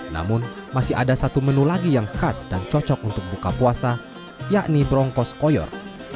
namun masih ada satu menu lagi yang khas dan cocok untuk buka puasa yakni bronkos koyor